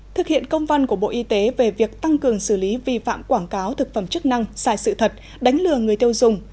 thực hiện công văn của bộ y tế về việc tăng cường xử lý vi phạm quảng cáo thực phẩm chức năng sai sự thật đánh lừa người tiêu dùng